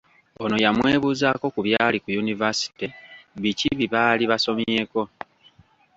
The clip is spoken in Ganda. Ono yamwebuuzaako ku byali ku yunivasite, biki bye baali basomyeko.